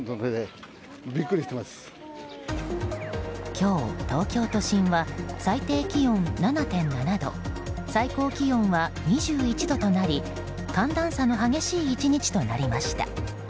今日、東京都心は最低気温７．７度最高気温は２１度となり寒暖差の激しい１日となりました。